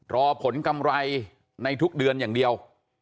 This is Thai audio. รอผลกำไรในทุกเดือนอย่างเดียว